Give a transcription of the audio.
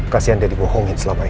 kasihan dia dibohongin selama ini